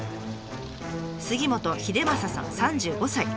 杉本英優さん３５歳。